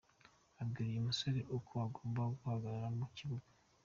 Abwira uyu musore uko agomba guhagarara mu kibuga.